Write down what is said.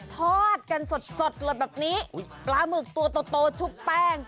ทอดกันสดสดเลยแบบนี้ปลาหมึกตัวโตชุบแป้ง